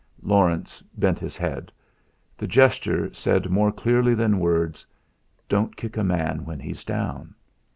Laurence bent his head. The gesture said more clearly than words: 'Don't kick a man when he's down!'